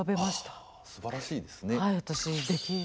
ああすばらしいですね。